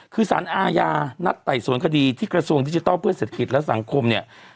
คือสารอาญานัดไต่สวนคดีที่กระทรวงดิจิทัลเพื่อเศรษฐกิจและสังคมเนี่ย